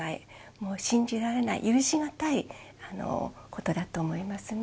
もう信じられない、許し難いことだと思いますね。